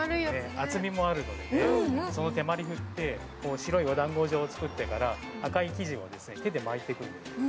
厚みもあるので、その手毬麩って白いお団子状を作ってから赤い生地を手で巻いていくんです。